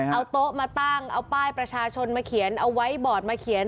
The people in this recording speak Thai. เอาโต๊ะมาตั้งเอาป้ายประชาชนมาเขียนเอาไว้บอร์ดมาเขียน